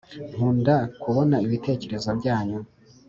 nkunda kubona ibitekerezo byanyu